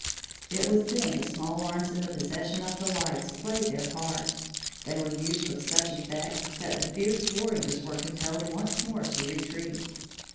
It was then the small arms in the possession of the whites played their part. They were used with such effect, that the fierce warriors were compelled once more to retreat.